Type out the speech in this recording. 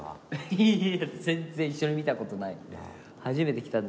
いや全然一緒に見たことないんで。